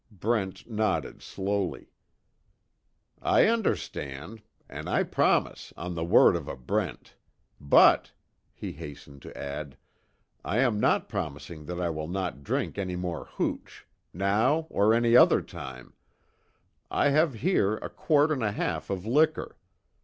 Brent nodded, slowly: "I understand. And I promise on the word of a Brent. But," he hastened to add, "I am not promising that I will not drink any more hooch now or any other time I have here a quart and a half of liquor.